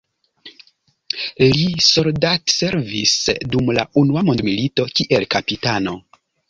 Li soldatservis dum la unua mondmilito kiel kapitano.